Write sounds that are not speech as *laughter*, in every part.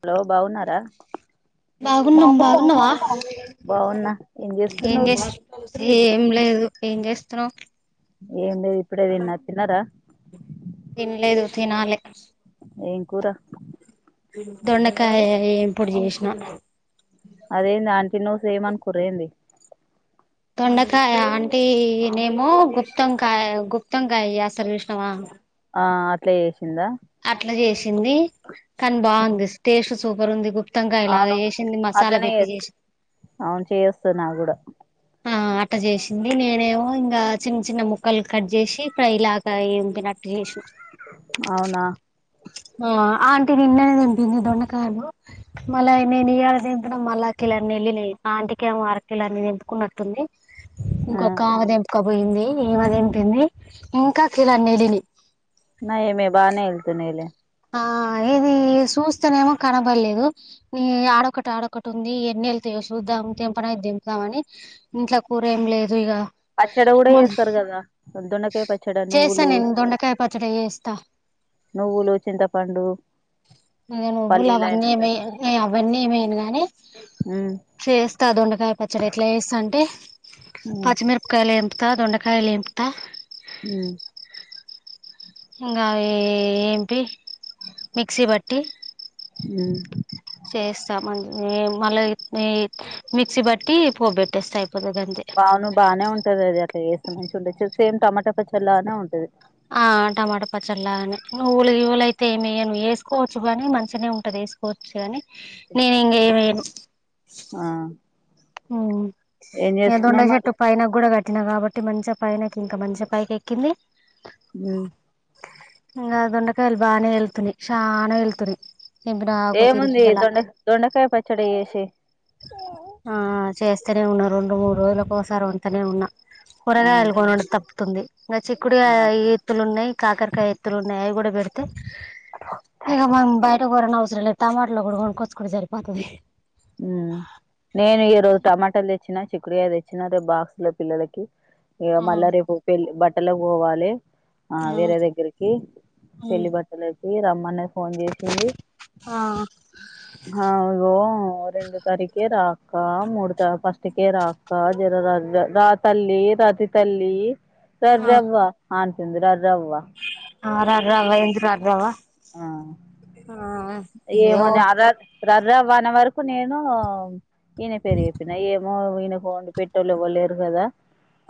hello బావున్నారా బాగున్నాం బాగున్నవా బాగున్నా ఏం చేస్తున్నావ్ చేస్త్ ఏం లేదు ఏం చేస్తున్నావు ఏం లేదు ఇప్పుడే తిన్న తిన్నారా తినాలే ఏం కూర దొండకాయ ఏంపుడు చేసినా అదేంది ఆంటీ నువ్వు సేమ్ అనుకుర్రా ఏంది దొండకాయ అంటీనేమో గుత్తంకాయ గుత్తంకాయ చేస్తారు చూశినవా ఆ అట్లే చేశిన అట్లా చేసింది కానీ బాగుంది టేస్ట్ సూపర్ ఉంది గు త్తంకాయ ఇలాగా అవును చేసింది మసాలా అట్లనే పెట్టి చే చేసింది అవును చేస్తున్నా కూడా ఆ అట్ట చేశింది నేనేమో ఇంగా చిన్న చిన్న ముక్కలు కట్ చేసి ఫ్రై లాగా ఏంపినట్టు చేశిన అవునా ఆ ఆంటీ నిన్ననే తెంపింది దొండకాయలు మళ్ళా నేను ఇయాల తేంపిన మళ్ళా కిలన్నీ ఎల్లినయ్ ఆ ఆంటీకేమో అరకిలన్ని తెంపుకున్నట్టుంది ఆ ఇంకొకామె తెంపుక పోయింది ఈమె తెంపింది ఇంకా కిలన్నీ ఎల్లినయ్ నయమే బానే వెళ్తునైలే ఆ ఇది చూస్తేనేమో కనబడలేదు ఈ ఆడొకటి ఆడొకటి ఉంది ఎన్నిెళ్తాయో చూద్దాం తెంపడానికి తెంపుదామని ఇంట్లో కూర ఏం లేదు ఇగా పచ్చడ గూడా చేస్తారు కదా దొండకాయ పచ్చడ చేస్తా నువ్వులు నేను దొండకాయ పచ్చడి నువ్వులు చింత ఇగా నువ్వులు అయినా అవన్నీ ఏం సరే ఏయ అవన్నీ ఏమయను గానీ ఉమ్ చేేస్తా దొండకాయ పచ్చడ ఎట్లా చేస్తా అంటే ఉమ్ పచ్చిమిరపకాయలు ఎంపుత దొండకాయలు ఎంపుతా ఉ ఇంగా ఆ ఏంపి మిక్సీ బట్టి ఉ చేస్తా మళ్ళీ మిక్సీ బట్టి ప పో పెట్టేస్తా బావును బాగానే ఉంటది అది అక్క వసు మంచి ఉండచ్చ సేమ్ టమాటా పచ్చళ్లానే ఉంటది ఆ టమాటా పచ్చళ్ళలా అని నువ్వులు ఇవ్వులయితే ఏమియ నువ్వు వేసుకోవచ్చు గానీ మంచినే ఉంటది తీసుకోవచ్చు కానీ నేను ఇంకేమ ఎయ్యను ఆ ఏం ఏద చేస్తున్నావు ఉండే మరి చెట్టు పైనకు కూడా కట్ ఎక్కినా కాబట్టి మంచిగా పయ నాకు ఇంకా మంచి పయకి ఎక్కింది హ ఇకా దొండకాయలు భనే ఎల్తున్నే చనా ఎల్తున్నే ఏముంది దొండ దొండకాయ పచ్చడి చేేసి ఆ చేస్తేనే ఉన్నా రెండు మూడు రోజులకసారి వంతనే ఉన్నా ఆ కూరగా ఎలుగొన తప్పుతుంది ఇంకా చిక్కుడు ఆ ఎత్తులు ఉన్నాయి కాకరకాయ ఎత్తులు ఉన్నాయి నయ కూడా బడతే ఇ మ బయటర టమాటట్లో ఊడు కోనకోచ్చుకుంటె సరిపోతాధి నేను ఈ రోజు టమాటాలు తెచ్చినా చిక్కురియా తెచ్చినా రేపు బాక్స్ లో పిల్లలకి ఇక ఆ మళ్ళా రేపు పెళ్లి బట్టలు పోవాలి ఆ వేరే దగ్గరికి పెళ్లి బట్టలు వసి రమ్మనే ఫోన్ చేసింది ఆ ఇగో రెండు తరీకే రాక మూడు త ఫస్ట్కే రాక జర రాజ రా తల్లి రా అతి తల్లి ఆ రర్రవ్వ అను తింద రర్రవ్వ ఆ *unintelligible* ఆ ఆ ఏవో ఏమని అ వన్ వరకు నేను ఈయన పేరు చెప్పిన ఎనలు ఎనాకు వాండి పెట్టెటోల్లు ఎవరు లెరు కథ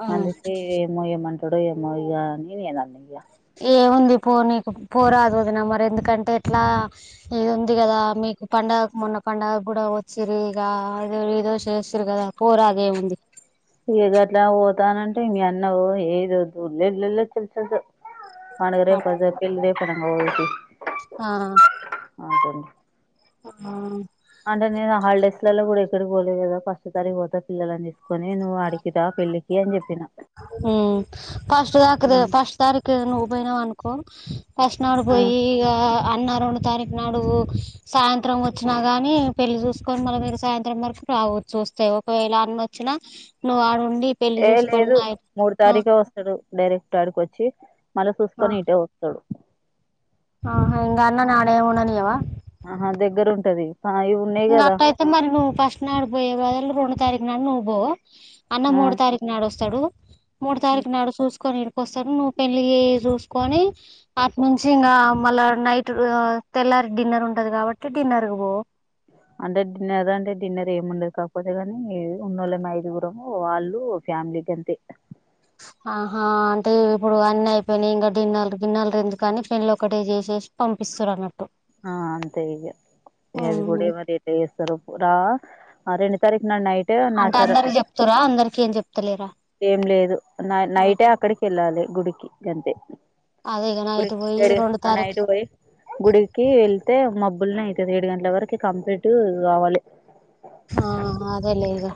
ఆ అండుకే ఎమో ఎమానుకోని చడోయమ్మోయ *unintelligible* ఏముంది పో నీకు పోరాదు వదిన మరి ఎందుకంటే ఎట్లా ఇది ఉంది కదా మీ మీకు పండుగకు మొన్న పండుగ కూడా వచ్చారు ఇక ఏదో ఏదో చేస్తుారు కదా కూరాగే ఉంది ఇగ అట్లా పోతానంటే మీ అన్న ఏదో దూళళ్ళల్లో తెలుసదు మాన అట్లా *unintelligible* ఆ ఆ అంటే నేను ఆ హాలిడేస్ లలో కూడా ఎక్కడికి పోలేదు కదా ఫస్ట్ తారీ పోతా పిల్లలని తీసుకని నువ్వు అడికితా పెల్లికి అని చెప్పిన ఫస్ట్ తాకి ఫస్ట్ తారఖ నువ్వు పోయినావు అనుకో ఫస్ట్ నాడు ఆ పోయి ఇగా అన్న రెండు తారీఖు నాడు సాయంత్రం వచ్చినా కానీ పెళ్ళి చూసుకొని మళ్ళీ మీరు సాయంత్రం వరకు రా చూస్తాయి ఒకవేళ అన్న వచ్చినా నువ్వు ఆడుండి పెళ్ళలి ఏ చూసు లేదు మూడు తారీఖే వస్తాడు డైరెక్ట్ ఆడికొచ్చి మళ్ళా చూసుకొని ఇటే వస్తాడు ఆ ఇంగా అన్న నాణే ఉననివా ఆహా దగ్గర ఉంటది ఆ, ఇవి ఉన్నాయి ఇ కదా అట్ అయితే మరి నువ్వు ఫస్ట్ నాడి పోయేలు రెండు తారీఖు నాడు నువ్వు పోవు అన్న ఆ మూడు తారీఖు నాడు వస్తాడు మూడు తారీఖు నాడు చూసుకొని ను పెళ్ చూసుకని అ నుంచి ఇ మళ్ళ నైట్ల్ స డిన్నర్ ఉంటది కాబట్టి డిన్నర్ పో అంటే డిన్నర్ అంటే డిన్నర్ ఏమిండదు కాకపోతే కానీ ఉన్నోళ్ళ మా ఐదుగురము వాళ్ళు ఫ్యామ్లీకి అంత ఆహా అంటే ఇప్పుడు అన్నీ అయిపోయినాయి ఇంకా గిన్నెలు గిన్నెలు ఎందు కాని పెళ్ళి ఒకటే చేసేసి పంపిస్తారు అన్నట్టు ఆ అంతే ఇక ఇ అది కూడా ఏ మరి ఎట్ చేస్తారు పరా ఆరెండు తారీఖు నాడు నైట్ అంటే నాచార అందరికి చెప్తార అందరికి ఏం చెప్తలేరా ఏం లేదు నైటే అక్కడికి వెళ్ళాలి గుడికి గంతే అదే ఇగ నైట్ పోయి గుడిడు రెండు అన్నా తారీఖు ఇడు పోయి గుడికి వెళ్తే మబ్బులనే అయితుంది ఏడు గంటల వరకు కంప్లీట్ కావాలి ఆ అదేలే ఈగ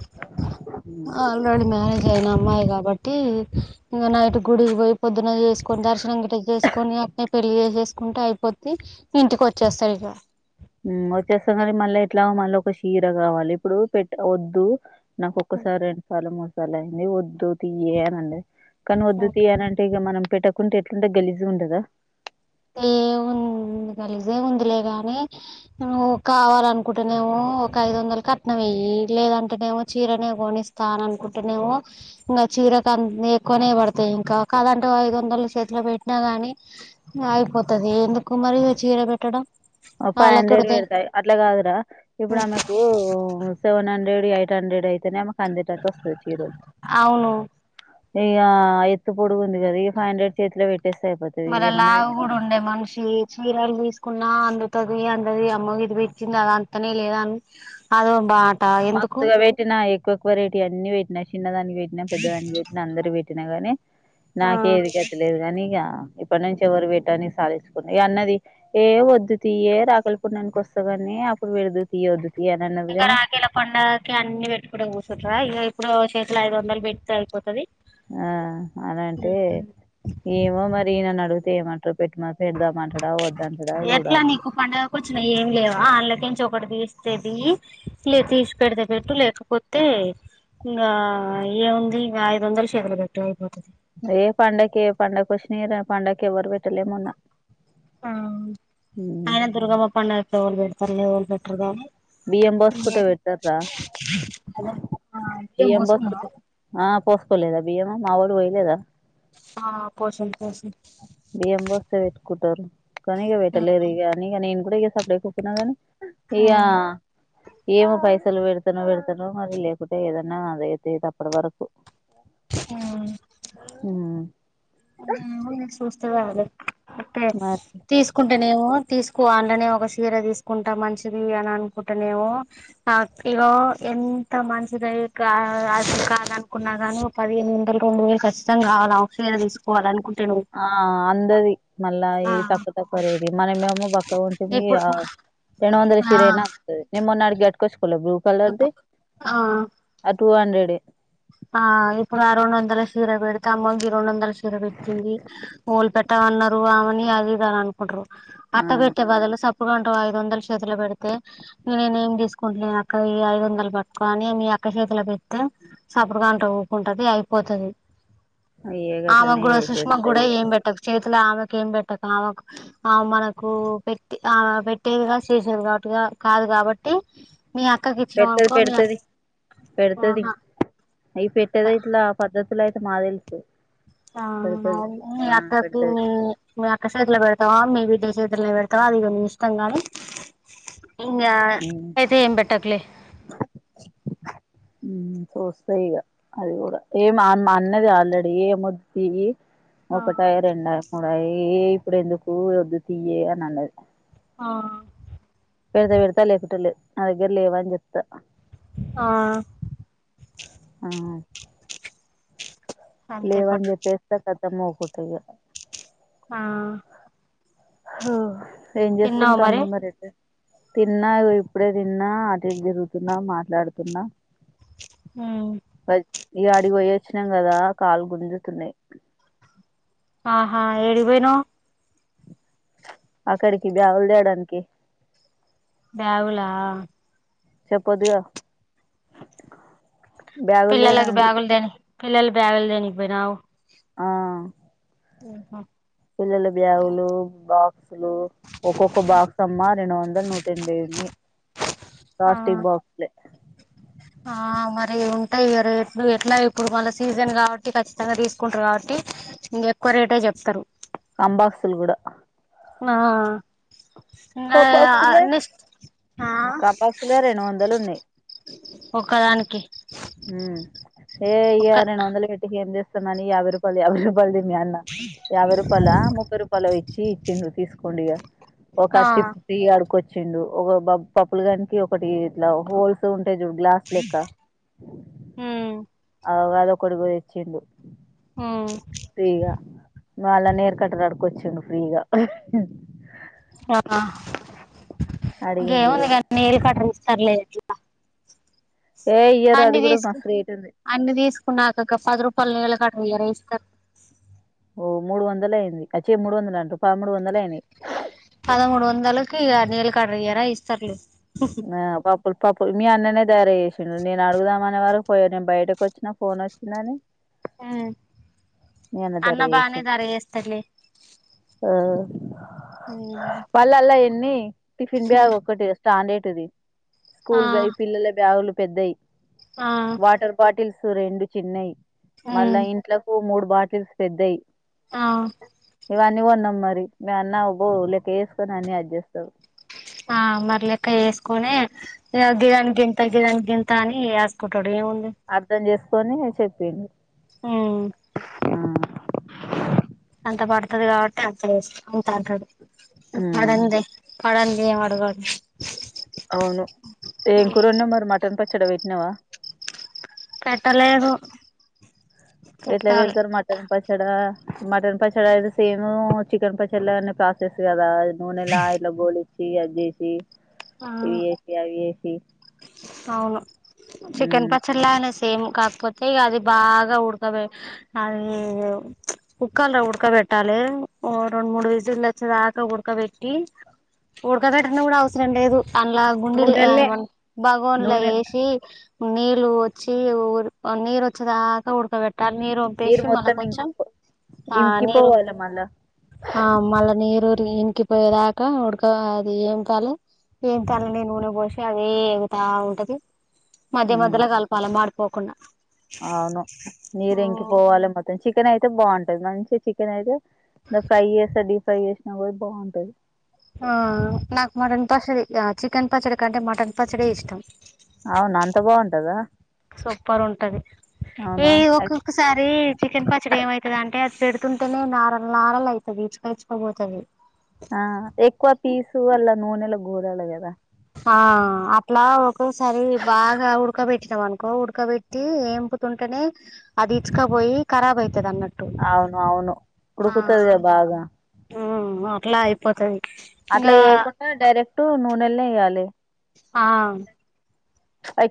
ఆల్రెడీ మ్యారేజ్ అయిన అమ్మాయి కాబట్టి ట్టి ఇంకా నైట్ గుడికి పోయి పొద్దున చేసుకొని దర్శనం ఇ గిట చేసుకొని అక్కనే పెళ్లి చేేేసుకని ఉంటా అయిపోతే ఇంటికి వచ్చేస్తారు ఇక వచ్చేస్తా కానీ మళ్ళా ఎట్లా మళ్ళీ ఒక చీర కావాలి ఇప్పుడు పెట్ట వద్దు నాకు ఒక్కసారి రెండు సార్లు మూడు సార్లు అయింది వద్దు తీయనండి కానీ వద్దు తీయనంటే ఇక మనం పెట్టకుంటే ఎట్లుంటే గలిజు ఉండదా అ కలిసి ఉందిలే గాని నువ్వు కావాలనుకుంటేనేమ ఒక ఐదు వందలు కట్న ఏ లేదంటేనేమో చీరనే కొనిస్తాను అనుకుంటేనేమ ఇంకా చీరకు ఎక్కువ పనే పడతాయి ఇంకా కాదంటే ఐదు వందల చేతిలో పెట్టినా గాని అయిపోతుది ఎందుకు మరి చీర పెట్టడం ఫైవ్ వాళ్ళకి హండ్రెడ్ ఉడతాయి పెడతాయి అట్లా కాదురా ఇప్పుడు ఆమెకు సెవెన్ హండ్రె హండ్రెడ్ ఎయిట్ హండ్రెడ్ అయితేనేకు అందేటట్టు వస్తుంది చీరోలు అవును ఇక ఎత్తు పొడుగు ఉంది కదా ఈ ఫైవ్ హండ్రెడ్ చేతిలో పెట్ మరి లావు కూడా ఉండేయి మనిషి చీరలు తీసుకున్నా అందు అది అంతది అమ్మ ఇది పెచ్చింది అద అంతనే లేదా అని అది బా మస్తుగా పెట్టినా ఎక్కువ ఎకువ రైటీ అన్ని పెట్టి చిన్న దానికి పెట్టి పెద్ద దానికి పెట్టి అందరుూ పెట్టి పట్టినా గానీ ఆ నాక ఏది గత లేదు కాగానీ ఇక ఇప్పటి నుంచి ఎవరు వేటాని సాాలించుకుని అన్నది ఏ వద్దుది ఏ రాకలిపుండానికి వస్తా కాడి ఏ అప్పుడు పెడదు తీయ వద్దు తీయ అన్నదుగానే పండకి అన్ని పెట్టుకు కూర్చుంటార ఇక ఇప్పుడు చేతుల ఐదు వందలు పెడితే అయిపోతుది ఆ అలాంటే ఏమో మరి ఈయనన్ను అడిగితే ఏమంటారు పెట్టమ పెడదామంటాడా వద్దంటాడా ఎట్లా చూడాలి నీకు పండగ కూచు ఏం లేవా అళ్ళకి అక్కడ తీస్తేది లే తీసి పెెడితే పెట్టు లేకపోతే ఇంకా ఏముంది ఇకా ఐదు వందలు చేతులు గట్లు అయిపోతుది ఏయ పండగకి ఏ పండగకు వష్ినీర పండగకే ఎవరు పెట్టలే మొన్న ఆ ఆయన దుర్గాబాప్ప అండ ఎవళ పెడతారు లేవళ పెట్టారుద బిఎం బాస్ కుట పెడతార్రా అదే బియ్యం పోసుకోలే ఆ పోసుకోలేదా బియ్యం మా వాడు పోయలేదా ఆ పోషం బియం బస్త పెట్ కుట్టారు కనీగ బట్టలే ర అనిగా నన్ సప్పుడే సప్పుడే కూప్పినదని ఇయయా ఏమ పైసా ఇత్తలు పెడతనో పెడతానో మరి లేకుంటే ఏదన్నా అద అవుతుది అప్పటి వరకు ఆ అ చూస్తే వాాల అే మరి తీసుకుంటేనేమో తీసుకో అలోనే ఒక సీర తీసుకుంటా మంచిది అని అనుకుంటేనేమ ఇలా ఎంత మంచిద అది కాాలనుకున్నా గానీ ఒక పదిహేను వందలు రెండు వేలు కఖచ్చితం కావాల తీసుకోవాలనుకుంట ఆ అంతది మళ్ళా ఈ తక్కువ తక్కువ రెడీ మన మేము బక్క ఉంటుంది ఇప్పుడు ఏె వంద ఆ శీరేనా అతుంది నిమ్న్నాడికి గట్కస్కోలే బ్లూ కలర్ది ఇప్పుడు ఆ ఆ టూ హండ్రెడ్ ఆ ఇప్పుడు ఆ రెండు వందల సీర పెడితే అమ్మకి రెండు వందల సీర పెట్టింది మూలు పెట్ట అట్ట అన్నారు ఆమని అది ఇాల అనుకుంట్రు అట్ట ఆ పెట్టే బాలు ఇప్పుడుంటో ఐదు వందలు చేతిలు పెడితే నేనే ఏమి తీసుకుంటలేక ఈ ఐదు వందలు పట్టుకో అని పక్క చేతిల పెస్తతే సపరుగాంట ఊకుంటది అయిపోతుది ఇగ ఆమేకి గట్లనే కూడా సుష్మా చేసేస్తా కూడ ఇగ ఏం బెట్టక చత్ర అసలా ఆమెకు ఏం పెట్టక ఆమెకు ఆ మనకు పెట్ ఆమె పెట్టేదిగా చేసేది కాబట్టి కాదు కాబట్టి మీ అక్కకి ఇచ్చినవ్ పెడతది అనుకో మీ అ పెడతది ఆహా అయి పెట్టేది ఇట్లా ఆ పద్ధతులైతే మా తెలుసు ఆ పెడతది అవు మీ ఆ అక్క పెడతది *inaudible* మీ అక్క చేతిలో పెడతావా మీ బిడ్డ చే చేతిలో పెడతావా అది ఇక నీ ఇష్టం గానీ ఇంగ అయితే ఏం బేట్టకులే పూస్తాయి ఇగా అది గూడా ఏమి మా అన్నది ఆల్రెడీ ఏమొద్దుతియీ ఆ ఒకటయి రెండ ముడాయి ఇప్పుడు ఎందుకు వద్దు తియ్యి అని అన్నది ఆ పెడతే పెడతా లేకుంటే లేదు నా దగ్గర లేవానీ చెప్తా ఆ ఉ అంతే లేవాని పట్టు చెప్పేస్తా కతమ్ ఉకుంట ఇగ ఆ ఏం చేస్తుండు తిన్నావా మరి తమ్ముడు మరీ ఎటుపో తిన్నా ఇప్పుడే తిన్నా అటు ఇటు తిరుగుతున్నా మాట్లాడుతున్నా ఉమ్ ఇగా అడిగి పోయొచ్చినాం కదా కాలు గుంజుతున్నాయి ఆహా ఏడికి పోయినావ్ అక్కడికి బ్యాగులు తేయడానికి బ్యాగుల చెప్పదుగా పిల్లకి బ్యాగులు దేని పిల్లల బ్యాగులు దేనికి పోయినావు ఆ ఉమ్ హ అసలు ఒక్కొక్క బాక్స్ అమ్మా రెండు వందల నూట ఎనభైఉన్నాయి ఆ ప్లాస్టిక్ బాక్స్లే ఆ మరి ఉంటాయి ఇగ రేట్లు ఎట్లా ఇప్పుడు మల్ల సీజన్ కాబట్టి ఖచ్చితంగా తీసుకుంటారు కాబట్టి ఇంక ఎక్కువ రేటే చెప్తారు అంబాక్సులు కూడా ఆ ఆ కంబాక్సులే ఉన్నాయ్ కదా *inaudible* ఆ కంబాక్సులే రెండు వందలు ఉన్నాయి ఒకదానికి ఉమ్ ఏ ఇక రెండు వందలు పెట్టికి ఏమి తెస్తాం అని రూపాల్ యాభై రూపాలల్ తెచ్ ఇగ అన్న యాబై రూపాల ముప్పై రూపలో ఇచ్చి ఇచ్చిండు తీస్కండి ఇగ కర్చిది ఇగ అడుకొచ్చిండు ఒక బబ్ పప్పులుగానికి ఒకటి ఇట్లా హోల్స్ ఉం టై చూడు గ్లాస్ లెక్క ఉమ్ అగొ అది ఒకటి కొనిచ్చిండు తే ఇగ మల్ల నేర్కట్టార్ అడు కొచ్చిండు ఫ్రీగా ఆహ ఇగ ఏముంది ఇగ నెయిల్ కట్టర్ సర్లే ఇచిన ఏ ఇయ్యరు అది అన్ని కూడా తీసుకు మస్తు రేట్ ఉంది అన్ని తీసుకు కున్నాక గా పది రూపాల నెయిల్ కట్టర్ ఇయ్యారా ఇస్తారు ఓ మూడు వందలైంది అచ్చి మూడు వందలు అంటు పదమూడు వందలు అయినాయి పదమూడు వందలకి నెయిల్ కట్టర్ ఇయ్యారా ఇస్తారులే ఆ పప్పుల్ పప్పుల్ మీ అన్ననైతే ధర చేసిండు నేను అడుగుదామనే వారకు పోయి నేను బయటకు వచ్చినా ఫోన్ ఒచ్చిందని ఉమ్ ధర అన్నబానే చేసిండు ధర చేస్తాడు లే మళ్ళ ఆన్ల ఎన్ని టిఫిన్ బ్యాగ్ ఒకటె స్టాండ్టిది ఆ స్కూల్ బ్యాగ్ పిల్లల బ్యాగులు పెద్దాయి, ఆ వాటర్ బాటిల్స్ రెండు చిన్నయి ఉమ్ మళ్ళా ఇంట్లకు మూడు బాటిల్స్ పెద్దాయి ఆ ఇవన్నీ కొన్నా న్నాం మరి మీ అన్న అబ్బో లేక్క వేసుకొని అన్ని అడ్ చేస్తాడు ఆ మరి లెక్కచేసుకునే ఇగ గీదానికి ఇంత గిదానికి గింతాని రాసుకుంటూ అర్ధం చేసుకొని చెప్పింది హ్మ్మ్ అంత పడుతుది కాబట్టి అంత చే అంత అంటడు ఉమ్, పడందే పడందే ఏం అడగడు అవును ఏం కూర అండినవ్ మరి మటన్ పచ్చడ పెట్టినవ పెట్టలేదు ఎట్లా పెట్టాలి పెడుతారు మటన్ పచ్చడా మటన్ పచ్చడా ఇది సేమ్ చికెన్ పచ్చడి లాగానే ప్రాసెస్ కదా నూనెలా ఇట్లా గోలిచ్చి అది చేసి ఆ ఇది ఏసి అది ఎసి అవును చికెన్ మ్మ్ పచ్చడి లాగనే సేమ్ కాకపోతే ఇగ అది బాగా ఉడకబె అది కుక్కర్లో ఉడకబె ట్టాలే ఓ రెండు మూడు విజిల్లు వచ్చేదాకా ఉడకబెట్టి ఉడకబెట్టను కూడా అవసరం లేదు అందులా గుండిలు నూనెల్నే ఎమం భగోన్లా నూనె ఏసి నీళ్ళు వచ్చి నీరు వచ్చే దాకా ఉడకబె ట్టలి నీరు వంప్పేసి మళ్ళా మొత్తం కొంచెం ఇంకి ఆ నీరు ఇంకిపోవాలి మళ్ళా ఆ మళ్ల నీరు టీ ఇంకిపోయేదాకా ఉడక అది ఏం తాలే ఏం తాలే నూనే పోసి అది తా ఉంటది మధ్య మ్మ్ మధ్యలో కలపాల మాడిపోకుండా అవును నీరు ఇంకి పోవాలి మొత్తం చికెన్ అయితే బాగుంటది మంచి చికెన్ అయితే ను ఫ్రేయ్ చేస్తే డీప్ ఫ్రై చేసిన కూడా బాగుంటది ఆ నాకు మటన్ పచ్చడి చికెన్ పచ్చడి కంటే మటన్ పచ్చడే ఇష్టం అవునా అంత బాగుంటదా సూపర్ ఉంటది ఈ అవునా అయి- ఒక్కొక్కసారి చికెన్ పచ్చడి ఏమయితాది అంటే అది పెడు తుంటేనే నారల్ నారల్ అయితది ఇచ్చుకఇచ్చుక పోతది ఆ ఎక్కువ పీసు అల్లా నూనెలో గోలాలే కదా ఆ అట్లా ఒక్కొక్కసారి బాగా ఉడకబెట్టినాం అనుకో ఉడకబెట్టి ఏం ఉడుకుతుంటేనే అది ఇచ్చుకపోయి కరాబ్ అయితది అన్నట్టు అవును అవును ఉడుకుతది కదా బాగా ఉమ్మ్ అట్లా అయిపోతది అట్లా ఇంగా ఏయకుండా డైరెక్ట్ నూనెలనే ఏయ్యాలి ఆ ఐ